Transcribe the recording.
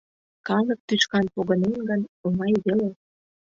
Калык тӱшкан погынен гын, оҥай веле.